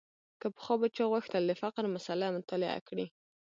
که پخوا به چا غوښتل د فقر مسأله مطالعه کړي.